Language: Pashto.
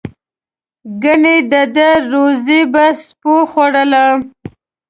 گني د ده روزي به سپیو خوړله.